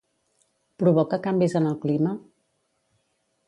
Provoca canvis en el clima?